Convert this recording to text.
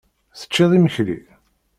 Teččiḍ imekli?